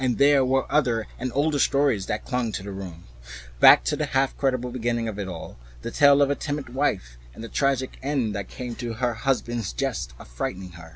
There were other and older stories that clung to the room, back to the half incredible beginning of it all, the tale of a timid wife and the tragic end that came to her husband's jest of frightening her.